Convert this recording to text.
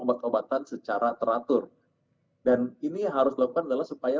obat obatan secara teratur dan ini harus dilakukan adalah supaya